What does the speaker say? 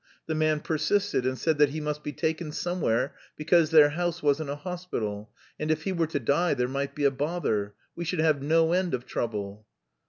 The man persisted, and said that "he must be taken somewhere, because their house wasn't a hospital, and if he were to die there might be a bother. We should have no end of trouble."